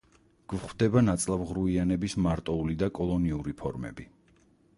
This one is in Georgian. გვხვდება ნაწლავღრუიანების მარტოული და კოლონიური ფორმები.